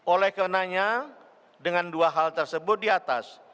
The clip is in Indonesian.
oleh karenanya dengan dua hal tersebut di atas